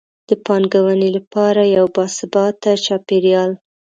د پانګونې لپاره یو باثباته چاپیریال.